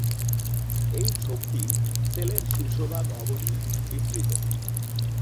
এই ছোপটি সেল এর শীর্ষভাগ অবধি বিস্তৃত।